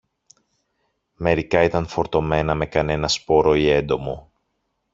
Μερικά ήταν φορτωμένα με κανένα σπόρο ή έντομο